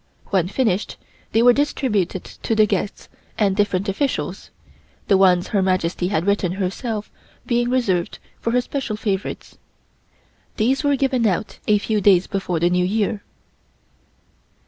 When finished, they were distributed to the guests and different officials, the ones Her Majesty had written herself being reserved for her special favorites. These were given out a few days before the New Year.